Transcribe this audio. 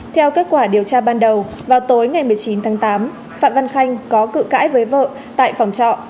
theo kết quả điều tra ban đầu vào tối ngày một mươi chín tháng tám phạm văn khanh có cự cãi với vợ tại phòng trọ